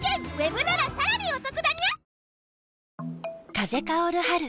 風薫る春。